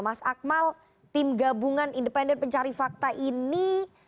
mas akmal tim gabungan independen pencari fakta ini